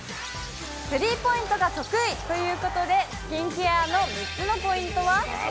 スリーポイントが得意ということで、スキンケアの３つのポイントは。